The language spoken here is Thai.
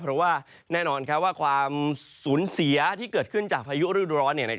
เพราะว่าแน่นอนว่าความสูญเสียที่เกิดขึ้นจากพายุฤดูร้อน